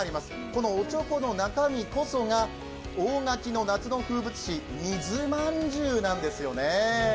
このおちょこの中身こそが大垣の夏の風物詩、水まんじゅうなんですよね。